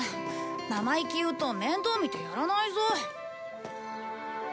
生意気言うと面倒見てやらないぞ。